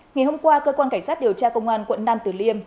ngày hôm qua cơ quan cảnh sát điều tra công an quận nam tử liêm